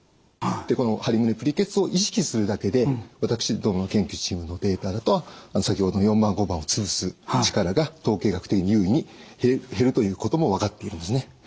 このハリ胸プリけつを意識するだけで私どもの研究チームのデータだと先ほどの４番５番をつぶす力が統計学的に有意に減るということも分かっているんですね。